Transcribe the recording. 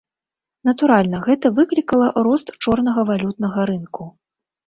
Натуральна, гэта выклікала рост чорнага валютнага рынку.